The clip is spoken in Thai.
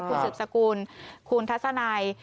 คุณสึบสกูนคุณทัศนาย